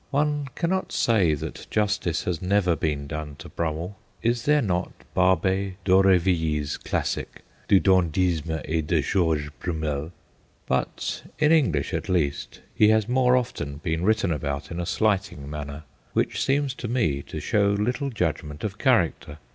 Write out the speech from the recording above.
One cannot say that justice has never been done to Brummell is there not Barbey d'Aurevilly's classic, Du Dandy sme et de Georges Brummell? but in English, at least, he has more often been written about in a slighting manner, which seems to me to show little judgment of character.